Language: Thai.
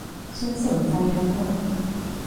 ฉันสนใจทั้งหมด